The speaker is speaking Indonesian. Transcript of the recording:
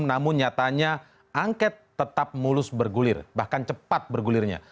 namun nyatanya angket tetap mulus bergulir bahkan cepat bergulirnya